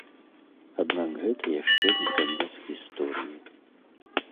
Аднак гэта яшчэ не канец гісторыі.